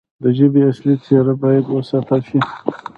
د ژبې اصلي څیره باید وساتل شي.